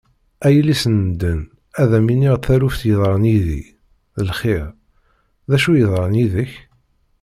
A yelli-s n medden ad am-iniɣ taluft yeḍran yid-i! D lxir, d acu yeḍran yid-k?